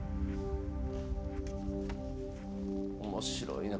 面白いな。